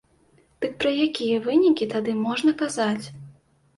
Дык пра якія вынікі тады можна казаць?